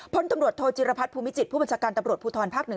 พลตำรวจโทจิรพัฒน์ภูมิจิตผู้บัญชาการตำรวจภูทรภาค๑